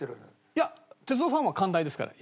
いや鉄道ファンは寛大ですから。